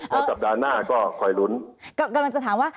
แล้วสัปดาห์หน้าก็คอยลุ้นกำลังจะถามว่า